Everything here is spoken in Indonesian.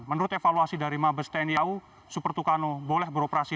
menurut evaluasi dari mabes tni au super tucano boleh beroperasi